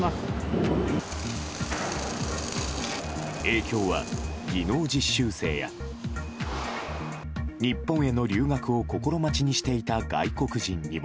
影響は、技能実習生や日本への留学を心待ちにしていた外国人にも。